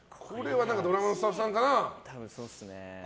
ドラマのスタッフさんかな。